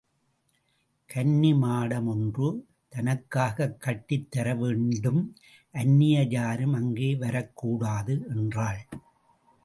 கன்னிமாடம் ஒன்று தனக்காகக் கட்டித் தரவேண்டும் அன்னியர் யாரும் அங்கே வரக் கூடாது என்றாள்.